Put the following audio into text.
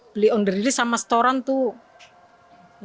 beli under deal sama setoran tuh